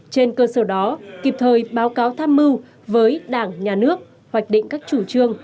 trên cơ sở đó kịp thời báo cáo tham mưu với đảng nhà nước hoạch định các chủ trương